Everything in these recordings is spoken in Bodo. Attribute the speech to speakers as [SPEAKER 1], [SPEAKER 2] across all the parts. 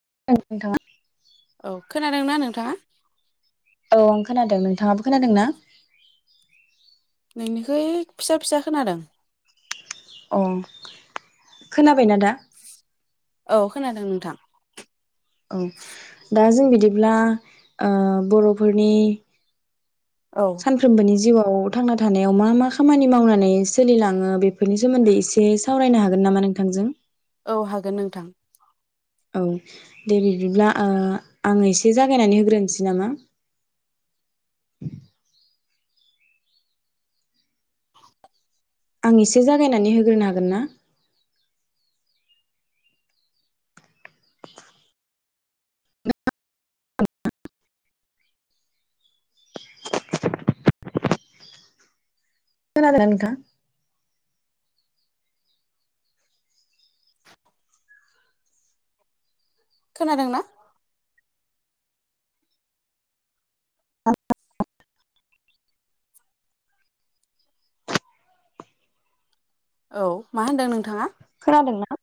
[SPEAKER 1] [unintelligible]
[SPEAKER 2] औ
[SPEAKER 1] नोंथांआ
[SPEAKER 2] खोनादोंना नोंथाङा
[SPEAKER 1] औ आं खोनादों नोंथाङाबो खोनादों ना?
[SPEAKER 2] नोंनिखै फिसा फिसा खोनादों
[SPEAKER 1] अ खोनाबायना दा?
[SPEAKER 2] औ खोनादों नोंथां
[SPEAKER 1] औ दा जों बिदि दिब्ला ओ बर'फोरनि
[SPEAKER 2] औ
[SPEAKER 1] सानफ्रोमबोनि जिउआव औ थांना थानायाव मा मा खामानि मावनानै सोलिलाङो बेफोरनि सोमोन्दै एसे सावरायनो हागोन नामा नोंथांजों?
[SPEAKER 2] औ हागोन नोंथां।
[SPEAKER 1] औ दे बिबिब्ला ओ आं एसे जागायनानै होग्रोनोसै नामा? आं एसे जागायनानै होग्रोनो हागोन ना? [inaudible] खोनादोना नोंथां
[SPEAKER 2] [inaudible] खोनादोंना?
[SPEAKER 1] [unintelligible]
[SPEAKER 2] औ मा होनदों नोंथाङा?
[SPEAKER 1] खोनादोंना?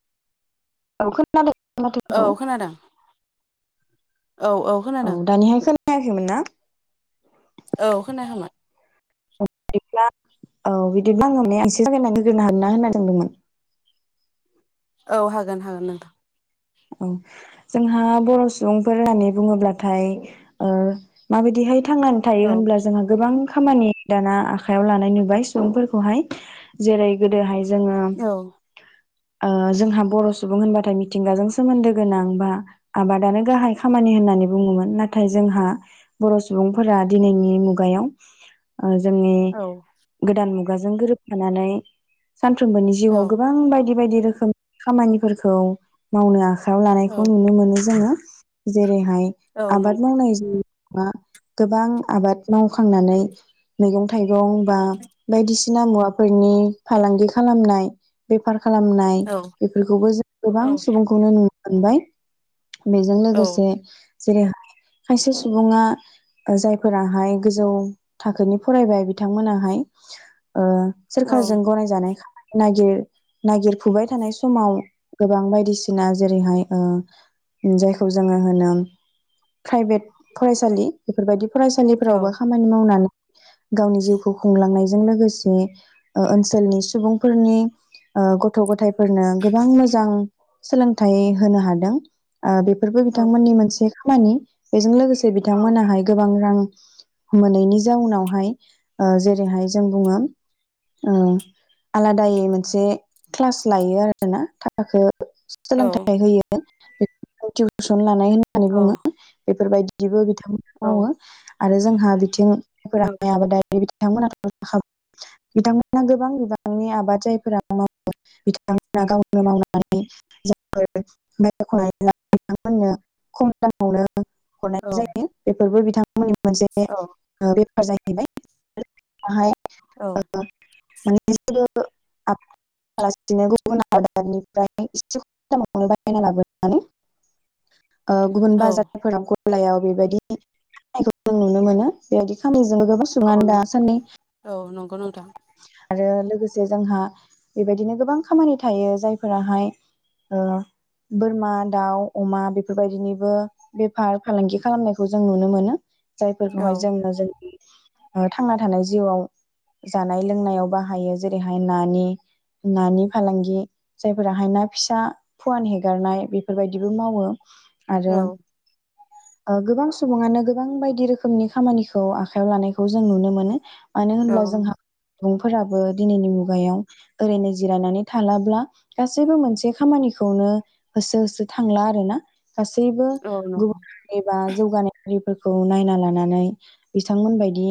[SPEAKER 1] औ खोनादों। माथोखौ
[SPEAKER 2] औ खोनादों औ
[SPEAKER 1] औ
[SPEAKER 2] खोनादों
[SPEAKER 1] दानिहाय खोनायाखैमोन ना?
[SPEAKER 2] औ खोनायाखैमोन।
[SPEAKER 1] औ बिदिब्ला [unintelligible]
[SPEAKER 2] औ हागोन हागोन नोंथां।
[SPEAKER 1] औ जोंहा बर' सुबुंफोर होननानै बुङोब्लाथाय ओ माबायदिहाय थांनानै
[SPEAKER 2] औ
[SPEAKER 1] थायो होनब्ला जोंहा गोबां खामानि दाना आखाइयाव लानाय नुबाय सुबुंफोरखौहाय जेरै गोदोहाय जोङो
[SPEAKER 2] औ
[SPEAKER 1] ओ जोंहा बर' सुबुं होनबाथाय मिथिंगाजों सोमोन्दो गोनां बा आबादानो गाहाइ खामानि होननानै बुङोमोन नाथाय जोंहा बर' सुबुंफोरा दिनैनि मुगायाव ओ जोंनि
[SPEAKER 2] औ
[SPEAKER 1] गोदान मुग गाजों गोरोबफानानै सानफ्रोमबोनि जिउआव
[SPEAKER 2] औ
[SPEAKER 1] गोबां बायदि बायदि। रोखोमनि खामानिफोरखौ मावनो आ खायाव लानायखौ
[SPEAKER 2] औ
[SPEAKER 1] नुनो मोनो जोङो। जेरै हाय
[SPEAKER 2] औ
[SPEAKER 1] आबाद
[SPEAKER 2] नंगौ
[SPEAKER 1] मावनाय जि बा गोबां आबाद मावखांनानै मैगं थाइ गं बा बायदिसि ना मुवाफोरनि फालांगि खालामनाय बेफार खालामनाय
[SPEAKER 2] औ
[SPEAKER 1] बेफोरखौबो जों गोबां
[SPEAKER 2] औ
[SPEAKER 1] सुबुंखौनो नुनो मोनबाय। बेजों
[SPEAKER 2] औ
[SPEAKER 1] लोगोसे जेरै खायसे सुबुङा जायफोराहाय गोजौ थाखोनि फरायबाय बिथांमोनाहाय ओ
[SPEAKER 2] औ
[SPEAKER 1] सोरखारजों गनायजानायखा नागिर नागिरफुबाय थानाय समाव गोबां बायदिसिना जेरैहाय ओ जायखौ जोङो होनो प्राइभेट फरायसालि बेफोरबायदि
[SPEAKER 2] औ
[SPEAKER 1] फरायसालिफोरावबो खामानि मावनानै गावनि जिउखौ खुंलांनायजों लोगोसे ओ-ओनसोलनि सुबुंफोरनि ओ गथ' गथायफोरनो गोबां मोजां सोलों थाइ होनो हादों ओ बेफोरबो बिथांमोननि मोनसे मानि बेजों लोगोसे जे
[SPEAKER 2] औ
[SPEAKER 1] बिथांमोनाहाय गोबां रां मोनैनि जाउनावहाय ओ जेरैहाय जों बुङो ओ आलादायै मोनसे क्लास लायो आरोना थाखो
[SPEAKER 2] औ
[SPEAKER 1] सोलोंथाइ होयो [inaudible] टिउ स सन लानाय होननानै बुङो बेफोरबायदिबो मावो आरो जोंहा बिथिं [unintelligible]
[SPEAKER 2] औ
[SPEAKER 1] बिथांमोना [unintelligible] बिथांमोना गोबां बिबांनि आबाद जायफोरा मावो बिथांमोना गावनो मावनानै [unintelligible] खम दामावनो [unintelligible] हरनाय जायो बे फोरबो बिथां मोननि मोनसे ओ बे जाहैबाय [unintelligible] हाय
[SPEAKER 2] औ
[SPEAKER 1] माने बिसोरो [unintelligible] गुबुन हादोरनिफ्राय इसे खमावनो बायना लाबोनानै ओ गुबुन बाजारफोराव लायाव बेबायदि [unintelligible] नुनो मोनो बेबायदि खामानिजोंबो गोबां सुबुंङानो दासान्दि
[SPEAKER 2] ग नोथां
[SPEAKER 1] आरो लोगोसे जोंहा बेबायदिनो गोबां खामानि थायो जायफोराहाय ओ बोरमा दाउ अमा बेफोरबायदिनिबो बेफार फालांगि खालामनायखौ जों नुनो मोनो।
[SPEAKER 2] औ
[SPEAKER 1] जायफोरखौहाय जोनो जोंनि ओ थांना थानाय जिउआव जानाय लोंनायाव बाहायो जेरैहाय नानि नानि फालांगि जायफोराहाय ना फिसा फुवान हेगारनाय बेफोरबायदिबो मावो। आरो
[SPEAKER 2] औ
[SPEAKER 1] ओ गोबां सुबुंङानो गोबां बायदि रोखोमनि खामानिखौ आखायाव लानायखौ जों नुनो मोनो। मानो
[SPEAKER 2] औ
[SPEAKER 1] होनब्ला जोंहा सुबुंफोराबो दिनैनि मुगायाव ओरैनो जिरायनानै थालाब्ला गासैबो मोनसे खामानिखौनो होसो होसो थांला आरोना गासैबो
[SPEAKER 2] औ नंगौ
[SPEAKER 1] गुबुन एबा जौगानाय हारिफोर खौ नायना लानानै बिथांमोनबादि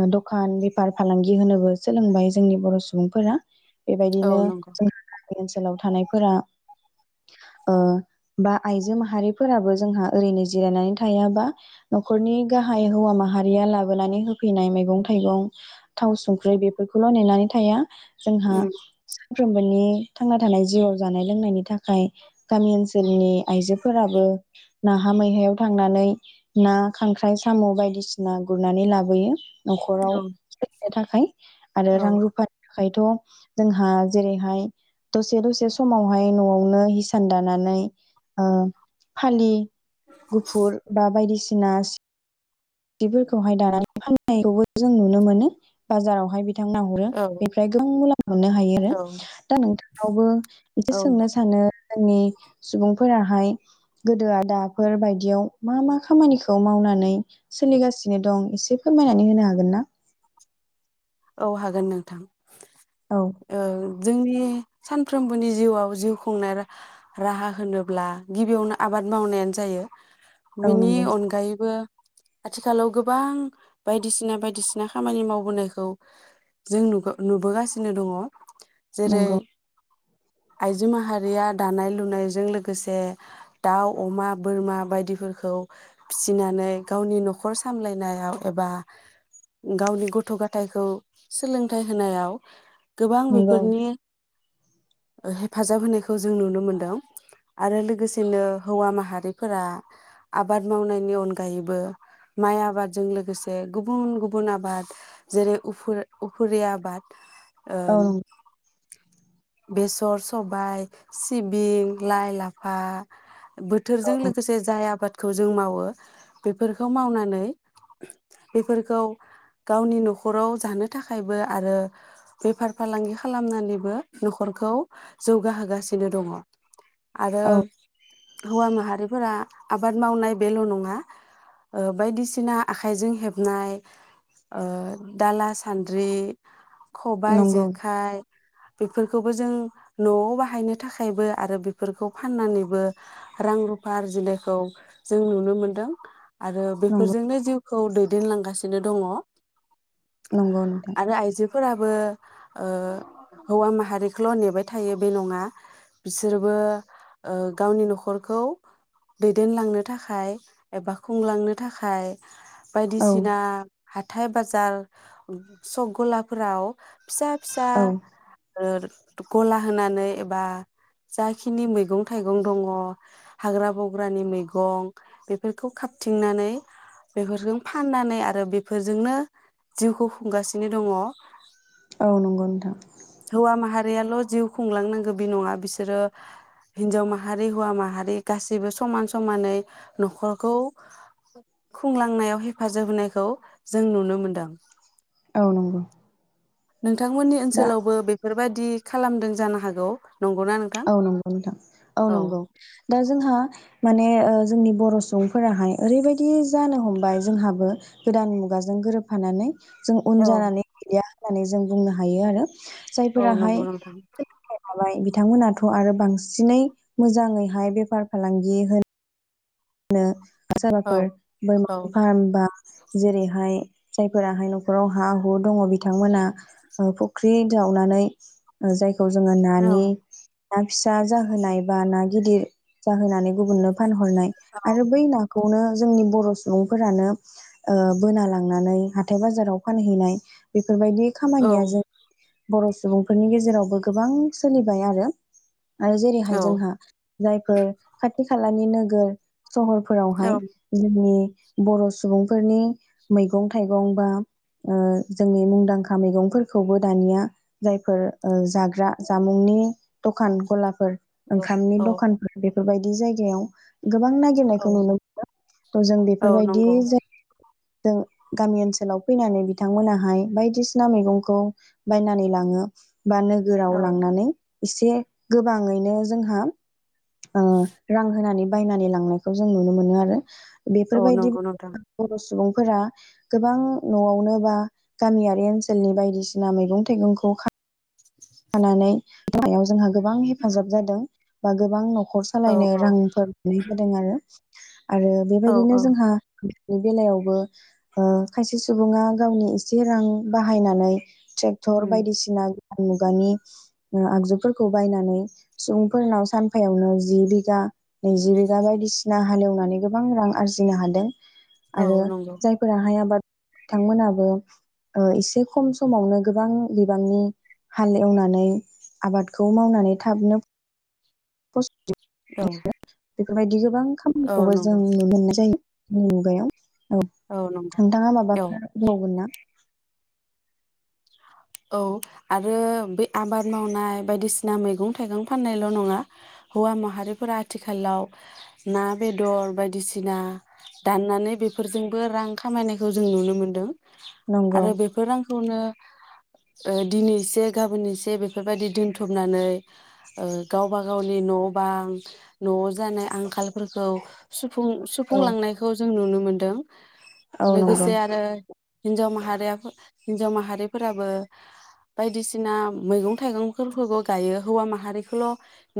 [SPEAKER 1] ओ दखान बे फार फालांगि होनोबो सोलोंबाय जोंनि बर' सुबुंफोरा
[SPEAKER 2] औ
[SPEAKER 1] बेबायदिनो
[SPEAKER 2] नंगौ
[SPEAKER 1] जों ओनसोलाव थानायफोरा ओ बा आइजो माहारिफोराबो जोंहा ओरैनो जिरायनानै थायाबा न'खरनि गाहाय हौवा माहारिया लाबोनानै होफैनाय मैगं थाइगं थाव संख्रि बेफोरखौल' नेनानै थाया जोंहा फ्रोमबोनि थांना थानाय जिउआव जानाय लोंनायनि थाखाय गामि ओनसोलनि आइजोफोराबो नाहा मैहायाव थांनानै ना खांख्राइ साम' बायदिसिना गुरनानै लाबोयो न'खराव।
[SPEAKER 2] औ
[SPEAKER 1] सोलिनो थाखाय आरो
[SPEAKER 2] औ
[SPEAKER 1] रां रुफा थाखायथ' जोंहा जेरैहाय दसे दसे समावहाय न'आवनो हिसान दानानै ओ फालि गुफुर बा बायदिसि सिना जिफोरखौहाय दानानै फाननायखौबो जों नुनो मोनो। बाजारावहाय बिदि बिथांमोना हरो
[SPEAKER 2] औ
[SPEAKER 1] बेनिफ्राय गोबां मुलाम्फा मोननो हायो आरो
[SPEAKER 2] औ
[SPEAKER 1] दा नोंथांनावबो एसे
[SPEAKER 2] औ
[SPEAKER 1] सोंनो सानो आरो जोंनि सुबुंफोराहाय गोदो दाफोर बायदियाव मा मा खामानिखौ मावनानै सोलिगासिनो दं एसे फोरमायनानै होनो हागोन ना?
[SPEAKER 2] औ हागोन नोंथां।
[SPEAKER 1] औ
[SPEAKER 2] ओ जोंनि सानफ्रोमबोनि जिउआव जिउ खुंनाय रा राहा होनोब्ला गिबियावनो आबाद मावनायानो जायो।
[SPEAKER 1] औ
[SPEAKER 2] बिनि
[SPEAKER 1] नंगौ
[SPEAKER 2] अनगायैबो आथिखालाव गोबां बायदिसिना बायदिसिना खामानि मावबोनायखौ जों नुबो नुबोगासिनो दङ जेरै
[SPEAKER 1] नंगौ
[SPEAKER 2] आइजो माहारिया दानाय लुनायजों लोगोसे दाउ अमा बोरमा बायदिफोरखौ फिसिनानै गावनि नखर सामलायनायाव एबा गावनि गथ' गथाय खौ सोलोंथाइ होनायाव। गोबां
[SPEAKER 1] नंगौ
[SPEAKER 2] बिफोरनि। ओ हेफाजाब होनायखौ जों नुनो मोनदों आरो लोगोसेनो हौवा माहारिफोरा आबाद मावनायनि अनगायैबो माइ आफादजों लोगोसे गुबुन गुबुन आबाद जेरै उफर उफुरि आबाद। ओ
[SPEAKER 1] औ नंगौ
[SPEAKER 2] बे स [unintelligible] सबाय सिबिं लाइ लाफा बोथोरजों लोगोसे जाय आबाद खौ जों मावो बेफोरखौ मावनानै उम बेफोरखौ गावनि नखर नखराव जानो थाखायबो आरो बेफार फालांगि खालामनानैबो नखरखौ जौगाहोगासिनो दङ। आरो
[SPEAKER 1] औ नंगौ
[SPEAKER 2] हौवा माहारिफोरा आबाद मावनाय बेल नङा ओ बायदिसिना आखाइजों हेबनाय ओ। दाला सान्द्रि खबाय
[SPEAKER 1] नंगौ
[SPEAKER 2] जेखाइ बेफोरखौबो जों नआव बाहायनो थाखायबो आरो बेफोरखौ फाननानैबो रां रुफा आरजिनायखौ जों नुनो मोनदों। आरो बिफोरजोंनो जिउ औ दैदेनलांगासिनो दङ।
[SPEAKER 1] नंगौ नोंथां।
[SPEAKER 2] फोराबो ओ।
[SPEAKER 1] औ
[SPEAKER 2] बायदिसिना हा थाइ बाजार। सग गलाफोराव फिसा फिसा
[SPEAKER 1] औ
[SPEAKER 2] ओर गला होनानै एबा जाखिनि मैगं थाइगं दङ हाग्रा बंग्रानि मैगं बेफोरखौ खाबथिंनानै बेफोरखौ फाननानै आरो बेफोरजोंनो जिउखौ खुंगासिनो दङ
[SPEAKER 1] औ नंगौ नोंथां।
[SPEAKER 2] बेयाल जिउ खुंलांनांगौ बे नङा। बिसोरो हिनजाव माहारि हौवा माहारि गासैबो समान-समानै, नखरखौ खुंलांनायाव हेफाजाब होनायखौ जों नुनो मोनदों
[SPEAKER 1] औ नंगौ
[SPEAKER 2] नोंथांमोननि
[SPEAKER 1] दा
[SPEAKER 2] ओनसोलावबो बेफ फोरबायदि खालामदों जानो हागौ नंगौना नोंथां?
[SPEAKER 1] औ नंगौ नोंथां औ नंगौ दा जोंहा माने जोंनि बर सुबुंफोराहाय ओरैबायदि जानो हमबाय जोंहाबो गोदान मुगाजों गोरोबफानानै जों उन
[SPEAKER 2] औ
[SPEAKER 1] जानानै गैलिया [unintelligible] जों बुंनो हायो आरो।
[SPEAKER 2] औ नंगौ
[SPEAKER 1] जायफोराहाय
[SPEAKER 2] नोंथां
[SPEAKER 1] [unintelligible] हाबाय बिथांमोना थ' आरो बांसिनै मोजाङैहाय बेफार फालांगि होनो नो
[SPEAKER 2] औ
[SPEAKER 1] सोरबाफोर बोरमा
[SPEAKER 2] औ
[SPEAKER 1] फार्म बा जेरैहाय जायफोराहाय नख'राव हा हु दङ बिथांमोना ओ फुख्रि जावनानै ओ जाय खौ जोङो नानि ना फिसा जाहोनाय बा ना गिदिर जाहोनानै गुबुननो फानहरनाय आरो बै नाख खौनो जोंनि बर' सुबुंफोरानो ओ बोना लांनानै हाथाय बाजाराव फानहैनाय बेफ फोरबायदि
[SPEAKER 2] औ
[SPEAKER 1] खामानिया जों बर' सुबुंफोरनि गेजेरावबो गोबां सोलिबाय आरो आरो
[SPEAKER 2] औ
[SPEAKER 1] जेरैहाय जोंहा जायफोर खाथि खालानि नोगोर- सहरफोरावहाय जोनि बर' सुबुंफोरनि मैगं थाइगं बा ओ जोंनि मुंदांखा मैगंफोरखौबो दानिया जायफोर ओ जाग्रा जामुंनि दखान गलाफोर
[SPEAKER 2] औ
[SPEAKER 1] ओंखामनि
[SPEAKER 2] औ
[SPEAKER 1] दखानफोर बेफ- बायदि जायगायाव गोबां
[SPEAKER 2] औ
[SPEAKER 1] नागिरनायखौ नुनो मोनो थ जों
[SPEAKER 2] औ
[SPEAKER 1] बेफोरबायदि
[SPEAKER 2] नंगौ
[SPEAKER 1] [unintelligible] दों गामि ओनसोलाव फैनानै बिथांमोनाहाय बायदिसिना मैगंखौ बायनानै लाङो बा नोगोराव
[SPEAKER 2] औ
[SPEAKER 1] लांनानै एसे गोबाङैनो जोंहा। ओ रां होनानै बायनानै लांनायखौ जों नुनो मोनो आरो।
[SPEAKER 2] औ
[SPEAKER 1] बेफोरबायदिबो
[SPEAKER 2] नंगौ नोंथां
[SPEAKER 1] [unintelligible] सुबुंफोरा गोबां नआवनो बा गामियारि ओनसोलनि बायदिसिना मैगं थाइगंखौ खा खानानै [unintelligible] जोंहा गोबां हेफाजाब जादों बा गोबां नख नखर
[SPEAKER 2] औ
[SPEAKER 1] सालायनो
[SPEAKER 2] औ
[SPEAKER 1] रांफोर [unintelligible] होदों आरो। आरो
[SPEAKER 2] औ
[SPEAKER 1] बेबायदिनो
[SPEAKER 2] औ
[SPEAKER 1] जोंहा। बे बेलायावबो ओ खायसे सुबुंङा गावनि एसे रां बाहायनानै। टेक्टर बायदिसिना उम गानि उ आगजुफोरखौ बायनानै सुबुंफोरनाव सानफायावनो जि बिघा नैजि बिघा बायदिसिना हालौवनानै गोबां रां आरजिनो हादों।
[SPEAKER 2] औ
[SPEAKER 1] आरो
[SPEAKER 2] नंगौ
[SPEAKER 1] जायफोरा हाय आबाद बिथांमोनाबो ओ एसे खम समावनो गोबां बिबांनि हाल एवनानै आबादखौ मावनानै थाबनो फस
[SPEAKER 2] औ।
[SPEAKER 1] बेफोरबायदि जोब गोबां
[SPEAKER 2] औ
[SPEAKER 1] खामानिखौबो जों
[SPEAKER 2] नंगौ
[SPEAKER 1] नुनो मोननाय जायो मुगायाव। औ नोंथाङा
[SPEAKER 2] औ
[SPEAKER 1] माबाफोर बुंबावगोन ना।
[SPEAKER 2] औ आरो बे आबाद मावनाय बायदिसिना मैगं थाइगं फाननायल नङा हौवा माहारिफोरा आथिखालाव ना बेदर बायदिसिना दाननानै बेफोरजोंबो रां खामायनायखौ जों नुनो मोनदों।
[SPEAKER 1] नंगौ
[SPEAKER 2] आरो बेफोर रांखौनो ओ दिनैएसे गाबोन एसे बेफोरबायदि दोनथुमनानै‌ ओ गावबा गावनि न' बां न'आव जानाय आंखालफोरखौ
[SPEAKER 1] औ
[SPEAKER 2] सुफुं-सुफुंलांनायखौ जों नुनो मोन। दों।
[SPEAKER 1] औ नंगौ
[SPEAKER 2] लोगोसे आरो हिनजाव माहारियाफो हिन्जाव माहारिफोराबो बायदिसिना मैगं थाइगंफोरखौबो गायो हौवा माहारिखौल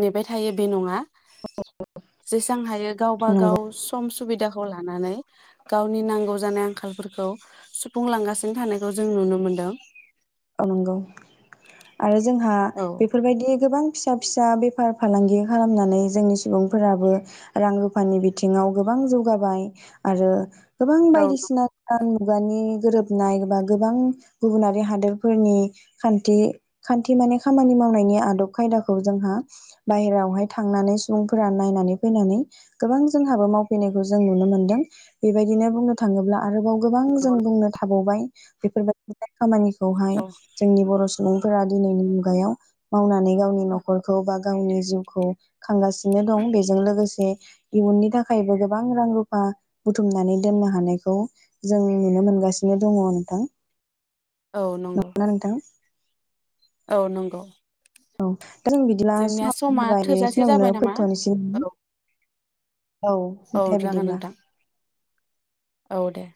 [SPEAKER 2] नेबाय थायो बे नङा। जेसां हायो गावबा
[SPEAKER 1] नंगौ
[SPEAKER 2] गाव सम सुबिदा खौ लानानै गावनि नांगौ जानाय आंखालफोरखौ सुफुंलांगासिनो थानायखौ जों नुनो मोनदों।
[SPEAKER 1] औ नंगौ। आरो जोंहा
[SPEAKER 2] औ
[SPEAKER 1] बेफोरबायदि गोबां फिसा फिसा बेफार फालांगि खालामनानै जोंनि सुबुंफोराबो रां रुफानि बिथिङाव गोबां जौगाबाय आरो गोबां
[SPEAKER 2] औ
[SPEAKER 1] बायदिसिना गान मुगानि गोरोबनाय बा गोबां गुबुनारि हादोर फोरनि खान्थि खान्थि माने खामानि मावनायनि आदब खायदाखौ जोंहा बाहेरायावहाय थांनानै सुबुंफोरा नायनानै फैनानै गोबां जोंहाबो मावफैनायखौ जों नुनो मोन्दों बेबायदिनो बुंनो थाङोब्ला आरोबाव गोबां जों बुंनो थाबावबाय बेफोरबायदि खामानि खौहाय
[SPEAKER 2] औ
[SPEAKER 1] जोंनि बर सु सुबुंफोरा दिनैनि मुगायाव मावनानै गावनि नख'रखौ बा गावनि जिउखौ खांगासि [inaudible] नो दं बेजों लोगोसे इयुननि थाखायबो गोबां रां रुफा बुथुमनानै दोननो हानायखौ जों नुनो मोनगासिनो दङ नोंथां।
[SPEAKER 2] औ नंगौ।
[SPEAKER 1] ना नोंथां
[SPEAKER 2] औ नंगौ
[SPEAKER 1] औ जों बिदिला
[SPEAKER 2] जोंनिया समा
[SPEAKER 1] [inaudible]
[SPEAKER 2] थोजासे
[SPEAKER 1] बेखिनियावनो
[SPEAKER 2] जाबाय नामा
[SPEAKER 1] फोथ'नोसै नामा?
[SPEAKER 2] औ
[SPEAKER 1] औ
[SPEAKER 2] औ
[SPEAKER 1] दे
[SPEAKER 2] जागोन
[SPEAKER 1] बिदिब्ला।
[SPEAKER 2] नोंथां औ दे।